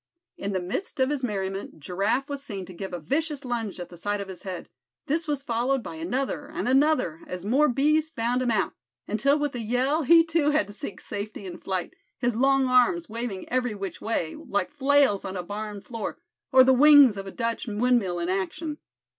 In the midst of his merriment Giraffe was seen to give a vicious lunge at the side of his head; this was followed by another, and another, as more bees found him out; until with a yell he too had to seek safety in flight, his long arms waving every which way, like flails on a barn floor; or the wings of a Dutch windmill in action.